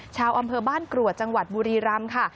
ชาวอำเภอบ้านกรวดจังหวัดบุรีรำค่ะ